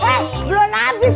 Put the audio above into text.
saya belum habis